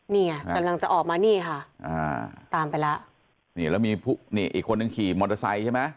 นี่ไงกำลังจะออกมานี่ค่ะอ่าตามไปแล้วนี่แล้วมีผู้นี่อีกคนนึงขี่มอเตอร์ไซค์ใช่ไหม